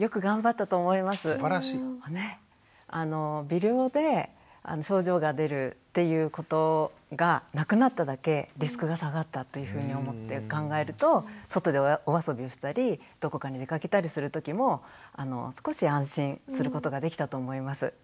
微量で症状が出るっていうことがなくなっただけリスクが下がったというふうに思って考えると外でお遊びをしたりどこかに出かけたりする時も少し安心することができたと思います。